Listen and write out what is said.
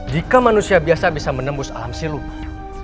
jika manusia biasa bisa menembus alam siluh